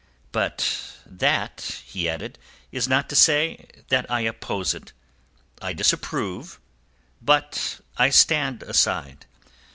"But that," he added, "is not to say that I oppose it. I disapprove, but I stand aside.